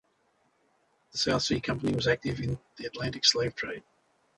The South Sea Company was active in the Atlantic slave trade.